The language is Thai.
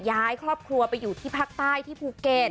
ย้ายครอบครัวไปอยู่ที่ภาคใต้ที่ภูเก็ต